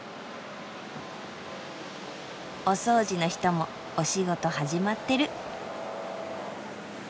お掃除の人もお仕事始まってる。